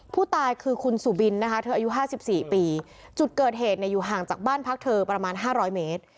ผู้ตายคือคุณสุบินนะคะเธออายุ๕๔ปีจุดเกิดเหตุเนี่ยอยู่ห่างจากบ้านพักเธอประมาณ๕๐๐เมตร